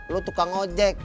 lo tukang ojek